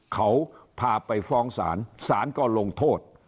เขาพาไปฟ้องศาลศาลก็ลงโทษ